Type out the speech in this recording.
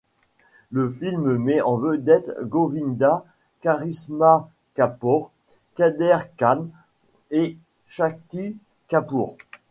Le film met en vedette Govinda, Karishma Kapoor, Kader Khan et Shakti Kapoor.